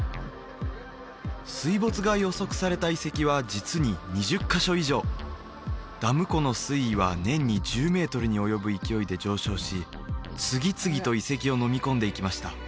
水没が予測された遺跡は実に２０カ所以上ダム湖の水位は年に１０メートルに及ぶ勢いで上昇し次々と遺跡をのみ込んでいきました